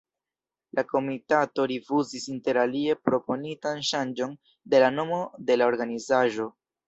La komitato rifuzis interalie proponitan ŝanĝon de la nomo de la organizaĵo.